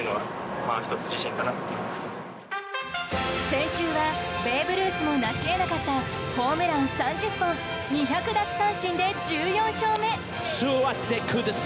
先週はベーブ・ルースもなし得なかったホームラン３０本２００奪三振で１４勝目。